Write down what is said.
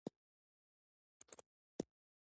ښایست زړه ته سکون ورکوي